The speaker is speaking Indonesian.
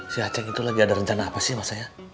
si aceh itu lagi ada rencana apa sih masaya